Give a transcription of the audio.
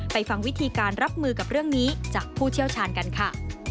ฟังวิธีการรับมือกับเรื่องนี้จากผู้เชี่ยวชาญกันค่ะ